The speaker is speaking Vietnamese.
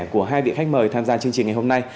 của hai vị khách mời tham gia chương trình ngày hôm nay